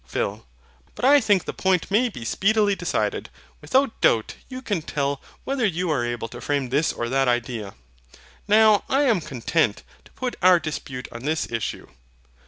PHIL. But I think the point may be speedily decided. Without doubt you can tell whether you are able to frame this or that idea. Now I am content to put our dispute on this issue.